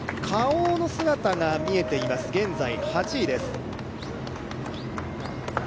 Ｋａｏの姿が見えています、現在８位です。